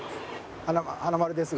華丸ですが。